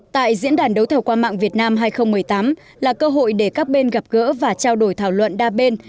tại diễn đàn đấu thầu qua mạng việt nam hai nghìn một mươi tám là cơ hội để các bên gặp gỡ và trao đổi thảo luận đa bên